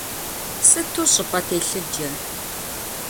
Сыту щӀыпӀэ телъыджэ!